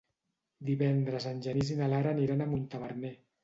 Divendres en Genís i na Lara aniran a Montaverner.